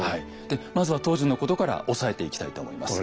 でまずは当時のことから押さえていきたいと思います。